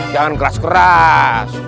jangan keras keras